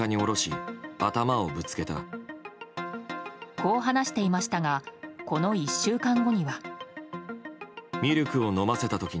こう話していましたがこの１週間後には。